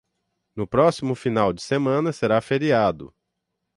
No próximo final de semana será feriado.